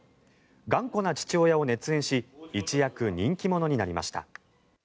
頑固な父親を熱演し一躍、人気者になりました。